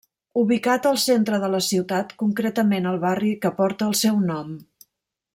Ubicat al centre de la ciutat concretament al barri que porta el seu nom.